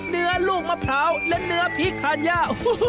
เนื้อลูกมะพร้าวและเนื้อพริกทัญญา